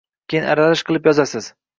Keyin aralash qilib yozasiz